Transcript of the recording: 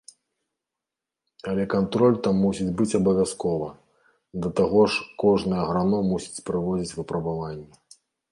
Але кантроль там мусіць быць абавязкова, да таго ж, кожны аграном мусіць праводзіць выпрабаванні.